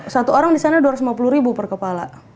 satu orang disana dua ratus lima puluh ribu per kepala